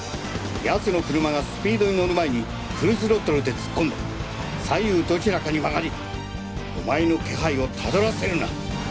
奴の車がスピードにのる前にフルスロットルで突っ込んで左右どちらかに曲がりお前の気配を辿らせるな！